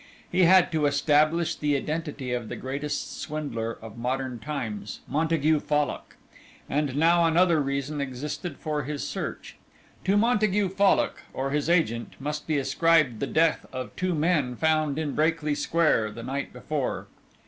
He had to establish the identity of the greatest swindler of modern times, Montague Fallock. And now another reason existed for his search. To Montague Fallock, or his agent, must be ascribed the death of two men found in Brakely Square the night before.